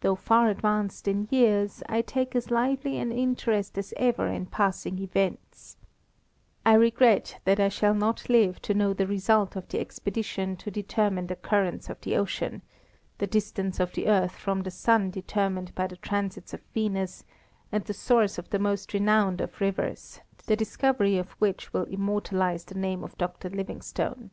"Though far advanced in years, I take as lively an interest as ever in passing events. I regret that I shall not live to know the result of the expedition to determine the currents of the ocean, the distance of the earth from the sun determined by the transits of Venus, and the source of the most renowned of rivers, the discovery of which will immortalise the name of Dr. Livingstone.